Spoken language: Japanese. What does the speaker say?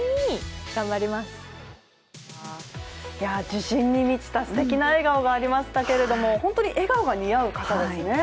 自信に満ちた、すてきな笑顔がありましたけれども本当に笑顔が似合う方ですね。